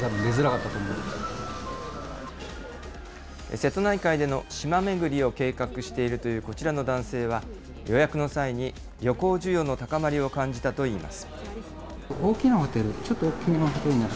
瀬戸内海での島巡りを計画しているというこちらの男性は、予約の際に、旅行需要の高まりを感じたといいます。